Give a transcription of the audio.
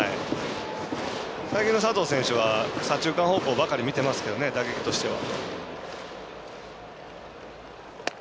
最近の佐藤選手は左中間方向ばかり見てますけどね、打撃としては。